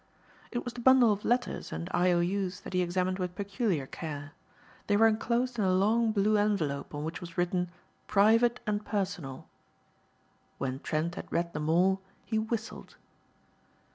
It was the bundle of letters and I. O. U.'s that he examined with peculiar care. They were enclosed in a long, blue envelope on which was written "Private and Personal." When Trent had read them all he whistled.